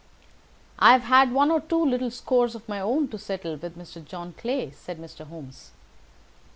"I have had one or two little scores of my own to settle with Mr. John Clay," said Holmes.